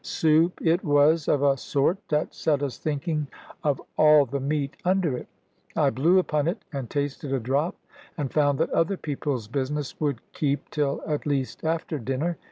Soup it was of a sort, that set us thinking of all the meat under it. I blew upon it, and tasted a drop, and found that other people's business would keep till at least after dinner.